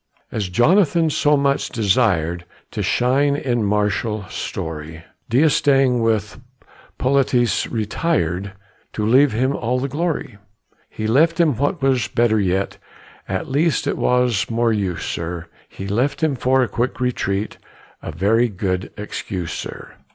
As Jonathan so much desir'd To shine in martial story, D'Estaing with politesse retir'd, To leave him all the glory. He left him what was better yet, At least it was more use, sir, He left him for a quick retreat A very good excuse, sir.